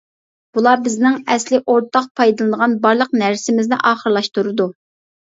بۇلار بىزنىڭ ئەسلى ئورتاق پايدىلىنىدىغان بارلىق نەرسىمىزنى ئاخىرلاشتۇرىدۇ.